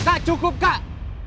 gak cukup kak